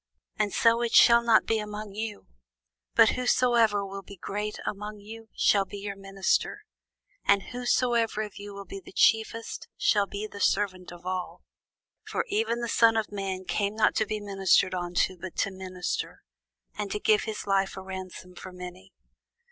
But so shall it not be among you: but whosoever will be great among you, shall be your minister: and whosoever of you will be the chiefest, shall be servant of all. For even the Son of man came not to be ministered unto, but to minister, and to give his life a ransom for many.